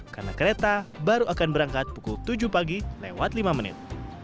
karena kereta baru akan berangkat pukul tujuh pagi lewat lima menit